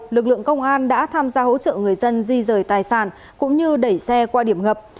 lực lượng công an đã tham gia hỗ trợ người dân di rời tài sản cũng như đẩy xe qua điểm ngập